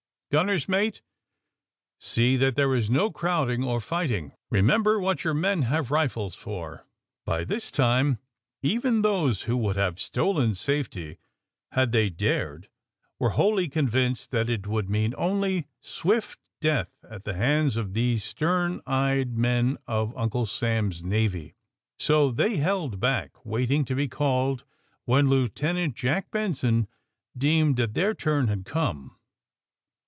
Gun ner's mate, see that there is no crowding or fighting. Remember what your men have rifles for!" By this tinje even those who would have stolen safety, had they dared, were wholly convinced that it would mean only swift death at the hands of these stern eyed men of Uncle Sam's Navy. So they held back, waiting to be called when Lieutenant Jack Benson deemed that their turn had come.